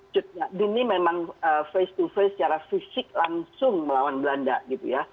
cutnya dini memang face to face secara fisik langsung melawan belanda gitu ya